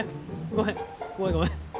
ごめんごめん。